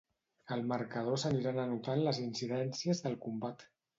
Al marcador s'aniran anotant les incidències del combat.